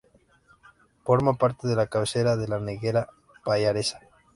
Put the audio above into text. Forma parte de la cabecera de la Noguera Pallaresa.